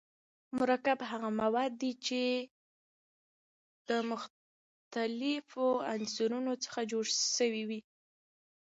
مرکب هغه مواد دي چي د مختليفو عنصرونو څخه جوړ سوی وي.